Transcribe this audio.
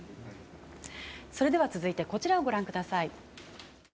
それでは続いてこちらをご覧ください。